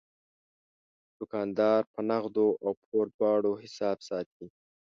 دوکاندار په نغدو او پور دواړو حساب ساتي.